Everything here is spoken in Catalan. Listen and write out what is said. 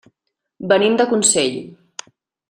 Venim de Consell.